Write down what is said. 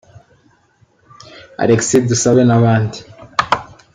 Alexis Dusabe n’abandi